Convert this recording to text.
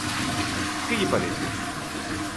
¿Que lle parece?